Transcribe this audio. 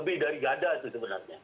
lebih dari gada itu sebenarnya